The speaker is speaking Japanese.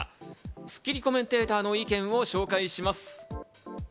スッキリコメンテーターの意見を紹介します。